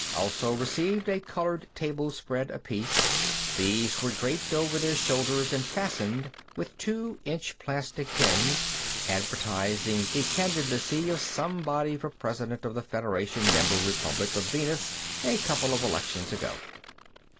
also received a colored table spread apiece; these were draped over their shoulders and fastened with two inch plastic pins advertising the candidacy of somebody for President of the Federation Member Republic of Venus a couple of elections ago.